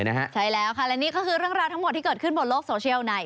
ใช่แล้วค่ะและนี่ก็คือเรื่องราวทั้งหมดที่เกิดขึ้นบนโลกโซเชียลใน